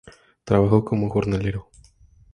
Trabajó como jornalero.